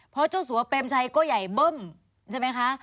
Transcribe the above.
เพราะเจ้าสัวเปรมชัยก็ใหญ่เบิ้มใช่ไหมคะ